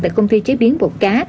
tại công ty chế biến bột cá